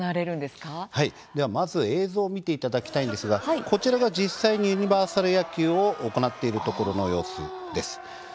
まず映像を見ていただきたいんですがこちらが実際にユニバーサル野球を行っているところです。